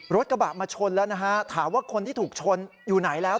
รถกระบะมาชนแล้วนะฮะถามว่าคนที่ถูกชนอยู่ไหนแล้ว